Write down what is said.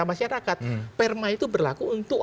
masyarakat perma itu berlaku untuk